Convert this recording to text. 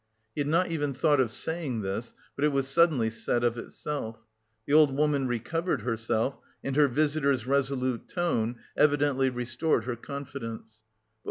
He had not even thought of saying this, but it was suddenly said of itself. The old woman recovered herself, and her visitor's resolute tone evidently restored her confidence.